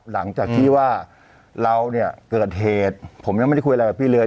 หลังจากที่ว่าเราเนี่ยเกิดเหตุผมยังไม่ได้คุยอะไรกับพี่เลย